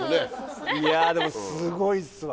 いやでもすごいっすわ。